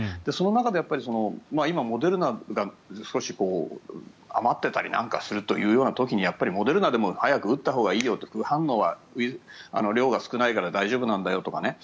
その中で、今、モデルナが少し余っていたりなんかするという時にやっぱりモデルナでも早く打ったほうがいいよと副反応は量が少ないから大丈夫なんだよとか